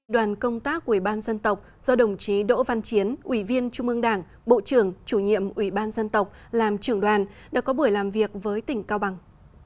đoàn công tác ubnd do đồng chí đỗ văn chiến ubnd bộ trưởng chủ nhiệm ubnd làm trưởng đoàn đã có buổi làm việc với tỉnh cao bằng